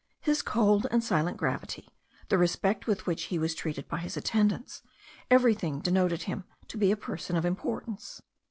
His cold and silent gravity, the respect with which he was treated by his attendants, everything denoted him to be a person of importance.